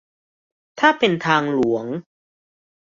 ถ้าเป็นทางหลวง